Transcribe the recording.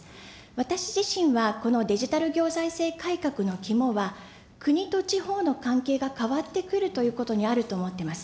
私自身は、このデジタル行財政改革の肝は、国と地方の関係が変わってくるということにあると思ってます。